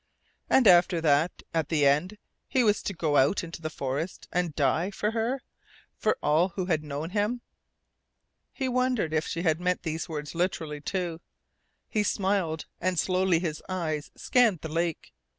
And after that at the end he was to go out into the forest, and die for her, for all who had known him. He wondered if she had meant these words literally, too. He smiled, and slowly his eyes scanned the lake.